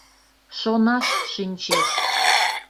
Шонаш шинчеш.